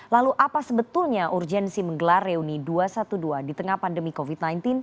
lalu apa sebetulnya urgensi menggelar reuni dua ratus dua belas di tengah pandemi covid sembilan belas